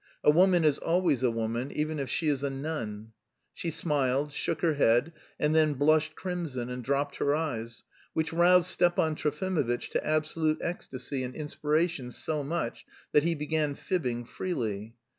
A woman is always a woman even if she is a nun. She smiled, shook her head and then blushed crimson and dropped her eyes, which roused Stepan Trofimovitch to absolute ecstasy and inspiration so much that he began fibbing freely.